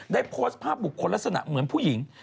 ได้โพสต์ภาพบุคคลลักษณะเหมือนผู้หญิง